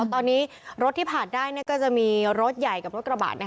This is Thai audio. ตอนนี้รถที่ผ่านได้ก็จะมีรถใหญ่กับรถกระบะ